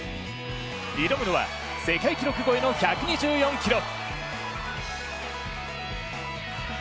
挑むのは世界記録超えの１２４ｋｇ。